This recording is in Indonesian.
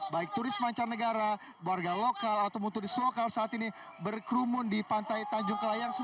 baik turis mancanegara warga lokal atau turis lokal saat ini berkerumun di pantai tanjung kelayang